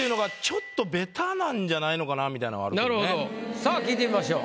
さあ聞いてみましょう。